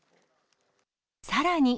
さらに。